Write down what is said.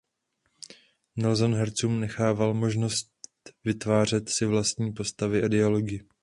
Nilsson hercům nechával možnost vytvářet si vlastní postavy a dialogy.